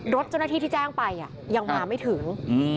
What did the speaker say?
รถเจ้าหน้าที่ที่แจ้งไปยังมาไม่ถึง